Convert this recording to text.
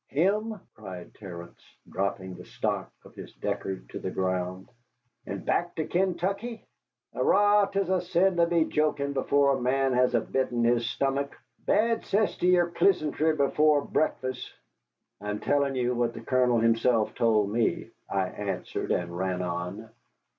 "Him!" cried Terence, dropping the stock of his Deckard to the ground. "And back to Kaintuckee! Arrah, 'tis a sin to be jokin' before a man has a bit in his sthummick. Bad cess to yere plisantry before breakfast." "I'm telling you what the Colonel himself told me," I answered, and ran on.